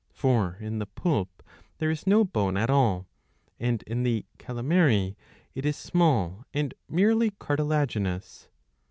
For in the poulp there is no bone at all, and in the calamary it is small and merely cartilaginous.'